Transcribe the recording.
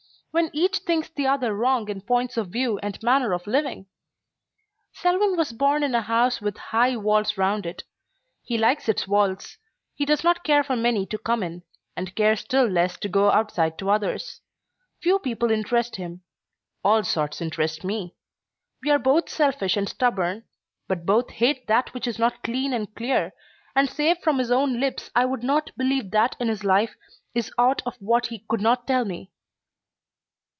When each thinks the other wrong in points of view and manner of living? Selwyn was born in a house with high walls around it. He likes its walls. He does not care for many to come in, and cares still less to go outside to others. Few people interest him. All sorts interest me. We are both selfish and stubborn, but both hate that which is not clean and clear, and save from his own lips I would not believe that in his life is aught of which he could not tell me.